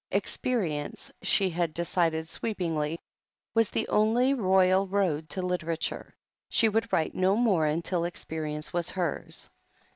Experience, she had decided sweepingly, was the only royal road to literature. She would write no more until experience was hers.